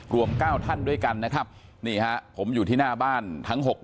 รวม๙ท่านด้วยกันนะครับนี่ฮะผมอยู่ที่หน้าบ้านทั้ง๖คน